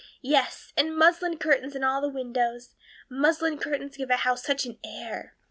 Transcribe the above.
Yes, and muslin curtains in all the windows. Muslin curtains give a house such an air.